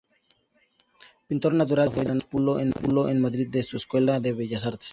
Pintor natural de Granada, fue discípulo en Madrid de su Escuela de Bellas Artes.